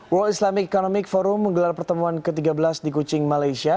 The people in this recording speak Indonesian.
world islamic economic forum menggelar pertemuan ke tiga belas di kuching malaysia